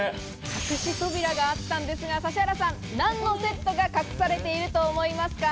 隠し扉があったんですが、指原さん何のセットが隠されていると思いますか？